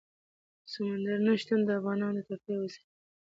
سمندر نه شتون د افغانانو د تفریح یوه وسیله ده.